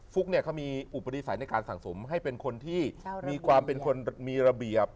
ุ๊กเนี่ยเขามีอุปนิสัยในการสั่งสมให้เป็นคนที่มีความเป็นคนมีระเบียบ